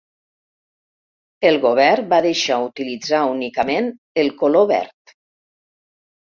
El govern va deixar utilitzar únicament el color verd.